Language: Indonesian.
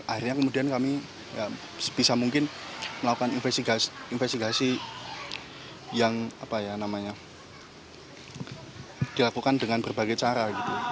akhirnya kemudian kami sebisa mungkin melakukan investigasi yang dilakukan dengan berbagai cara